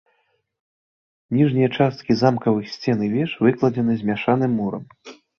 Ніжнія часткі замкавых сцен і веж выкладзены змяшаным мурам.